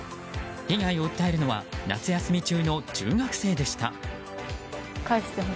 被害を訴えるのは夏休み中の中学生でした。